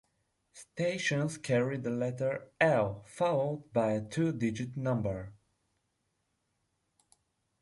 Stations carry the letter "I" followed by a two-digit number.